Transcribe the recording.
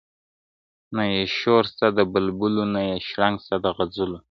نه یې شور سته د بلبلو نه یې شرنګ سته د غزلو -